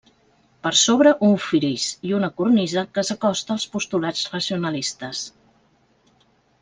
Per sobre un fris i una cornisa que s'acosta als postulats racionalistes.